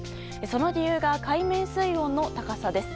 その理由が海面水温の高さです。